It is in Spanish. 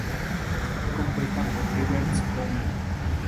Fue compuesta por Rivers Cuomo.